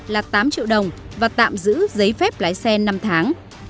là tám triệu đồng và tạm giữ giấy phép lái xe năm tháng